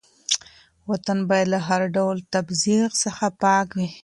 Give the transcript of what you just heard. وطن باید له هر ډول تبعیض څخه پاک وي.